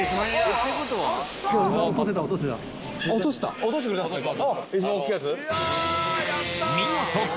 落としてくれたんすか？